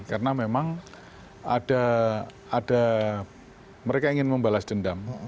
karena memang ada mereka ingin membalas dendam